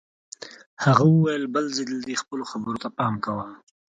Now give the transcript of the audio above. هغه وویل بل ځل دې خپلو خبرو ته پام کوه